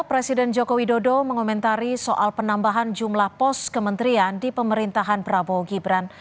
presiden joko widodo mengomentari soal penambahan jumlah pos kementerian di pemerintahan prabowo gibran